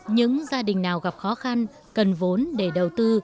những gia đình nào gặp khó khăn cần vốn để đầu tư